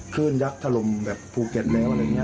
ยักษ์ถล่มแบบภูเก็ตแล้วอะไรอย่างนี้